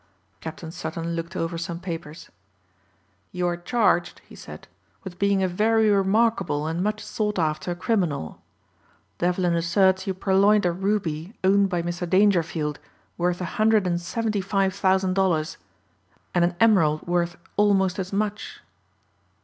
Captain Sutton looked over some papers. "You are charged," he said, "with being a very remarkable and much sought after criminal. Devlin asserts you purloined a ruby owned by Mr. Dangerfield worth a hundred and seventy five thousand dollars, and an emerald worth almost as much."